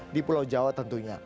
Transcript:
di pulau jawa tentunya